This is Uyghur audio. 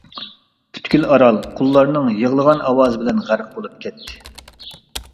پۈتكۈل ئارال قۇللارنىڭ يىغلىغان ئاۋازى بىلەن غەرق بولۇپ كەتتى.